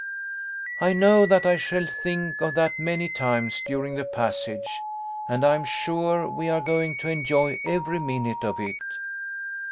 " I know that I shall think of that many times during the passage, and am sure we are going to enjoy every minute of it.